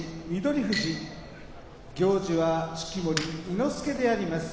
富士行司は式守伊之助であります。